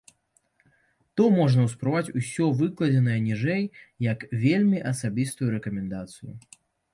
То можна ўспрымаць усё выкладзенае ніжэй як вельмі асабістую рэкамендацыю.